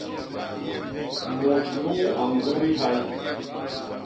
Mut nuu a ñgudi hay!